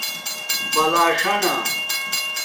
بلݽانہ